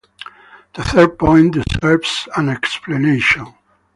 The third point deserves an explanation.